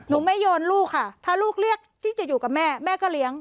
ไม่โยนลูกค่ะถ้าลูกเลือกที่จะอยู่กับแม่แม่ก็เลี้ยง